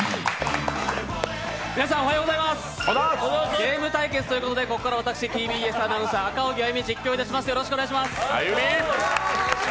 ゲーム対決ということでここからは私、ＴＢＳアナウンサー・赤荻歩が実況いたします！